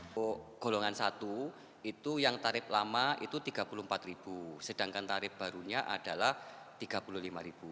untuk golongan satu yang tarif lama itu tiga puluh empat ribu sedangkan tarif barunya adalah tiga puluh lima ribu